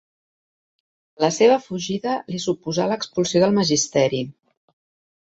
La seva fugida li suposà l’expulsió del magisteri.